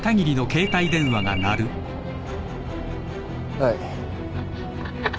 はい。